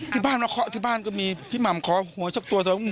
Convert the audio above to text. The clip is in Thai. ที่บ้านก็มีพี่หม่ำขอหวยซักตัว